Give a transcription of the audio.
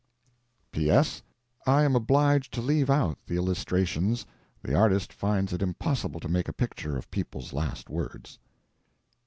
T. P. S. I am obliged to leave out the illustrations. The artist finds it impossible to make a picture of people's last words.